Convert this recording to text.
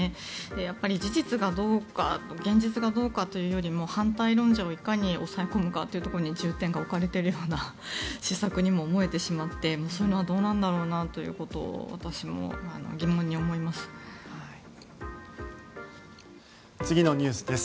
やっぱり事実がどうか現実がどうかというよりも反対論者をいかに抑え込むかというところに重点が置かれているような施策にも思えてしまってそれはどうなんだろうなと私も疑問に思います。